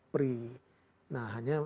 pri nah hanya